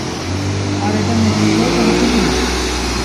আর এটা মেনে নিলেও কোন ক্ষতি নেই।